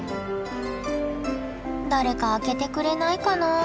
誰か開けてくれないかな。